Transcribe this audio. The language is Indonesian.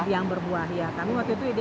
ya yang berbuah tapi waktu itu identifikasi